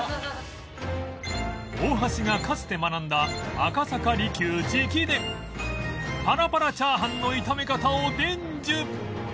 大橋がかつて学んだ赤坂璃宮直伝パラパラチャーハンの炒め方を伝授